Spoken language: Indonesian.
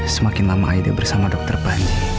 semakin lama aida bersama dokter panji